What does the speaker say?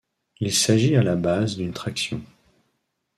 Il s'agit à la base d'une traction.